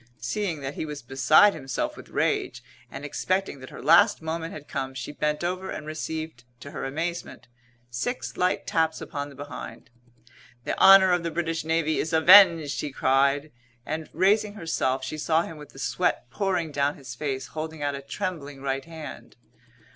Seeing that he was beside himself with rage and expecting that her last moment had come, she bent over and received, to her amazement, six light taps upon the behind. "The honour of the British Navy is avenged!" he cried, and, raising herself, she saw him with the sweat pouring down his face holding out a trembling right hand.